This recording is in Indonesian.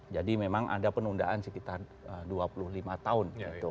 jadi memang ada penundaan sekitar dua puluh lima tahun